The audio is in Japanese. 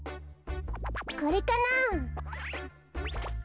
これかなあ？